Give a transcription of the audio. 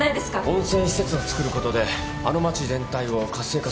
温泉施設をつくることであの町全体を活性化することができる。